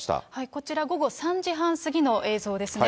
こちら午後３時半過ぎの映像ですね。